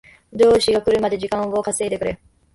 上司が来るまで時間を稼いでくれ